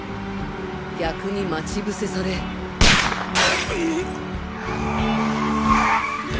逆に待ち伏せされうっ！